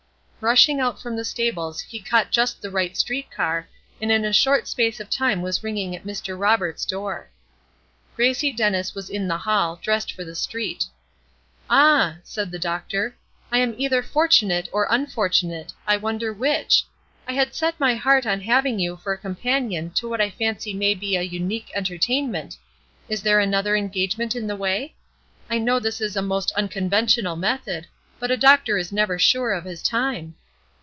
Rushing out from the stables he caught just the right street car, and in a short space of time was ringing at Mr. Roberts' door. Gracie Dennis was in the hall, dressed for the street. "Ah," said the doctor, "I am either fortunate or unfortunate, I wonder which? I had set my heart on having you for a companion to what I fancy may be a unique entertainment. Is there another engagement in the way? I know this is a most unconventional method, but a doctor is never sure of his time."